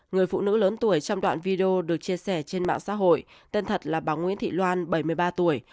người phụ nữ lớn tuổi trong đoạn video được chia sẻ trên mạng xã hội tên thật là bà nguyễn thị loan bảy mươi ba tuổi